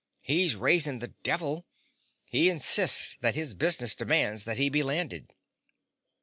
He's raising the devil! He insists that his business demands that he be landed."